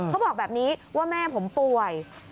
เขาบอกแบบนี้ว่าแม่ผมป่วย